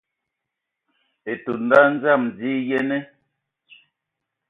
Etun nda dzam dzina, yenə.